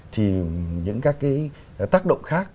thì những các cái tác động khác